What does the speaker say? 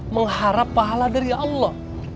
mengharap pahala dari allah